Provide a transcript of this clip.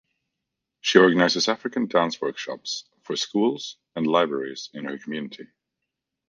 She organises African dance workshops for schools and libraries in her community.